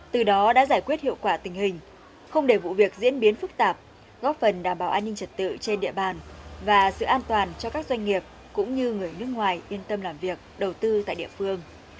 từ đó đã giải quyết hiệu quả tình hình không để vụ việc diễn biến phức tạp góp phần đảm bảo an ninh trật tự trên địa bàn và sự an toàn cho các doanh nghiệp cũng như người nước ngoài yên tâm làm việc đầu tư tại địa phương